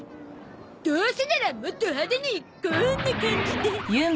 どうせならもっと派手にこんな感じで！